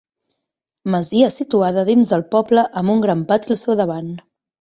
Masia situada dins del poble amb un gran pati al seu davant.